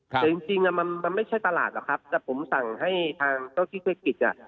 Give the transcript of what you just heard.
แต่จริงมันไม่ใช่ตลาดหรอกครับแต่ผมสั่งให้ทางเจ้าที่เทศกิจอ่ะ